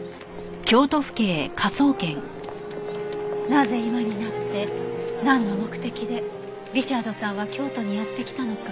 なぜ今になってなんの目的でリチャードさんは京都にやって来たのか。